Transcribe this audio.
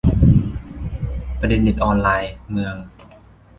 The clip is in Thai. ประเด็นเน็ต ออนไลน์ เมือง